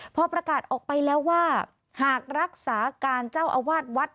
พอประกาศออกไปแล้วว่าหากรักษาการเจ้าอาวาสวัด